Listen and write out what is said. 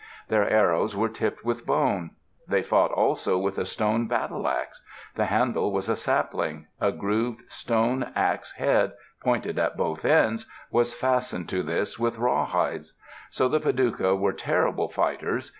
Their arrows were tipped with bone. They fought also with a stone battle ax. The handle was a sapling; a grooved stone ax head, pointed at both ends, was fastened to this with rawhides. So the Padouca were terrible fighters.